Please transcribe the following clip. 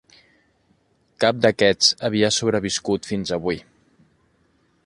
Cap d'aquests havia sobreviscut fins avui.